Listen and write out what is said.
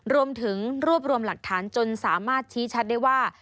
รวมถึงรวบรวมหลักฐานจนสามารถชี้ชัดได้ว่า